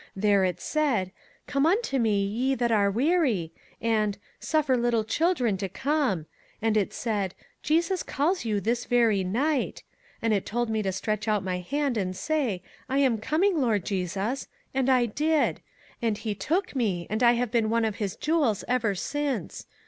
There it said, ' Come unto me, ye that are weary/ and ' Suf fer little children to come ;' and it said, ' Jesus calls you this very night ;' and it told me to stretch out my hand and say, ' I am coming, Lord Jesus,' and I did ; and he took me, and I have been one of his jewels ever since.